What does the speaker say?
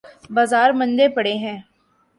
بازار مندے پڑے ہیں۔